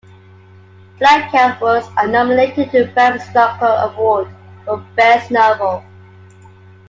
"Black House" was nominated to the Bram Stoker Award for Best Novel.